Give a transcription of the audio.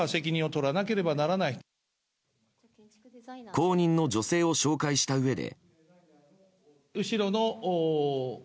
後任の女性を紹介したうえで。